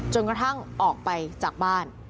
กระทั่งออกไปจากบ้าน